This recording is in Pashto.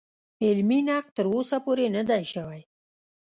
علمي نقد تر اوسه پورې نه دی شوی.